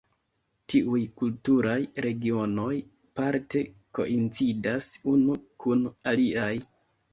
Tiuj kulturaj regionoj parte koincidas unu kun aliaj.